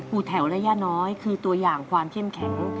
แถวและย่าน้อยคือตัวอย่างความเข้มแข็ง